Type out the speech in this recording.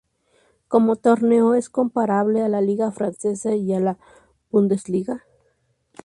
Como torneo, es comparable a la liga francesa y a la Bundesliga.